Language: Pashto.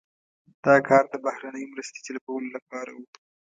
دا کار د بهرنۍ مرستې جلبولو لپاره و.